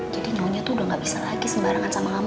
jadi nyonya tuh udah gak bisa lagi sembarangan sama kamu